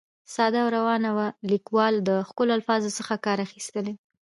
ساده او روانه وه، ليکوال د ښکلو الفاظو څخه کار اخیستى.